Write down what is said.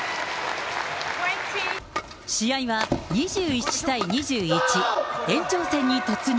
試合は２１対２１、延長戦に突入。